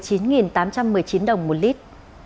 cụ thể với mức tăng ba trăm một mươi hai đồng một lít